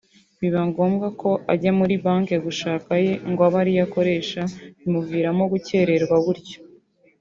biba ngombwa ko ajya kuri banki gushaka aye ngo abe ariyo akoresha; bimuviramo gukererwa gutyo